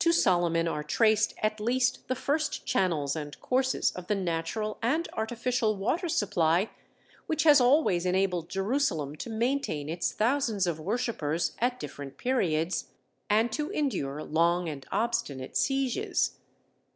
To Solomon are traced at least the first channels and courses of the natural and artificial water supply which has always enabled Jerusalem to maintain its thousands of worshippers at different periods, and to endure long and obstinate sieges.